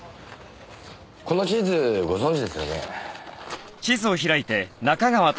この地図ご存じですよね？